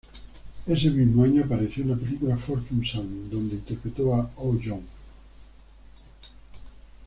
Ese mismo año apareció en la película "Fortune Salon" donde interpretó a Ho-joon.